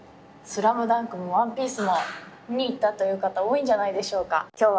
ＳＬＡＭＤＵＮＫもＯＮＥＰＩＥＣＥも見に行った方多いんじゃないでしょうか。